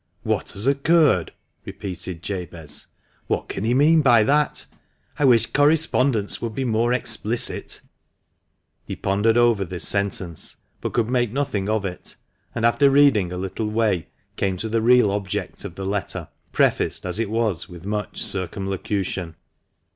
"What has occurred?" repeated Jabez, "what can he mean by that ? I wish correspondents would be more explicit !" He pondered over this sentence, but could make nothing of it, and after reading a little way, came to the real object of the letter, prefaced as it was with much circumlocution.